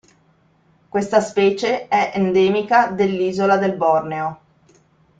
Questa specie è endemica dell'Isola del Borneo.